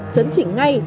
chấn chỉnh ngay